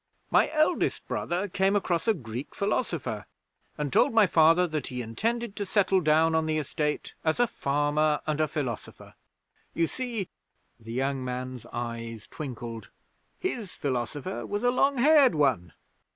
'My eldest brother came across a Greek philosopher, and told my Father that he intended to settle down on the estate as a farmer and a philosopher. You see,' the young man's eyes twinkled 'his philosopher was a long haired one!'